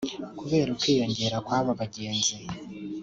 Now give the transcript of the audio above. Kubera ukwiyongera kw’abo bagenzi